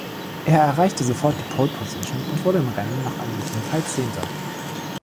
Er erreichte sofort die Pole-Position und wurde im Rennen nach einem Unfall Zehnter.